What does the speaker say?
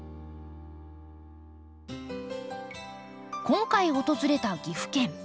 今回訪れた岐阜県。